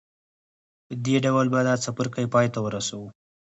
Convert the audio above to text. په دې ډول به دا څپرکی پای ته ورسوو